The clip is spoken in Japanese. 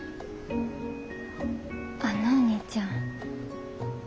あんなお兄ちゃん。